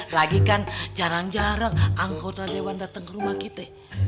lagi kan jarang jarang angkot raja wan datang ke rumah kita